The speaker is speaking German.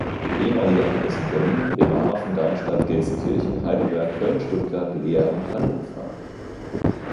Ehemalige Halter sind Berlin, Bremerhaven, Darmstadt, Gelsenkirchen, Heidelberg, Köln, Stuttgart, Leer und Hannover.